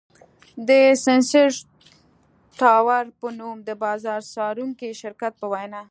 د سېنسر ټاور په نوم د بازار څارونکي شرکت په وینا